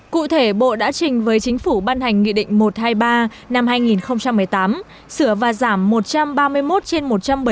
cụ thể bộ đã trình với chính phủ ban hành nghị định một trăm hai mươi ba năm hai nghìn một mươi tám sửa và giảm một trăm ba mươi một trên một trăm bảy mươi